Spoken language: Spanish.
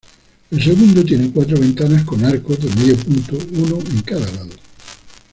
El segundo tiene cuatro ventanas con arcos de medio punto, una en cada lado.